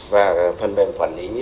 và phần mềm quản lý